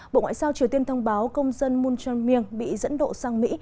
bộ ngoại giao triều tiên thông báo công dân moon chun myung bị dẫn độ sang mỹ